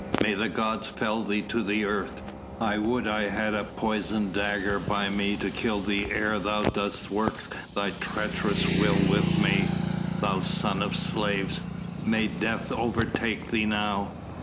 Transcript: "May the gods fell thee to the earth. I would I had a poisoned dagger by me to kill thee ere thou dost work thy treacherous will with me. Thou son of slaves, may death overtake thee now